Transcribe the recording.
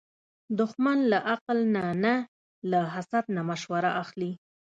دښمن له عقل نه نه، له حسد نه مشوره اخلي